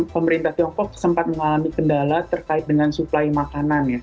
pemerintah tiongkok sempat mengalami kendala terkait dengan suplai makanan ya